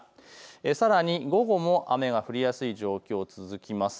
さらに午後も雨が降りやすい状況、続きます。